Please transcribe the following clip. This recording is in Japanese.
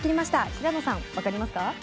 平野さんわかりますか？